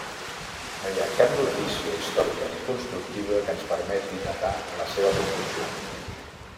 No hi ha cap notícia històrica ni constructiva que ens permeti data la seva construcció.